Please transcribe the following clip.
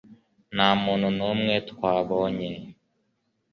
nta muntu n'umwe twabonye